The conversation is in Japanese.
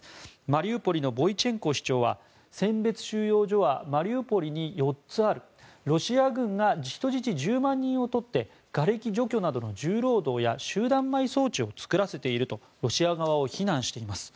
マリウポリのボイチェンコ市長は選別収容所はマリウポリに４つあるロシア軍が人質１０万人を取ってがれき除去などの重労働や集団埋葬地を作らせているとロシア側を非難しています。